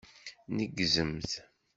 Neggzemt.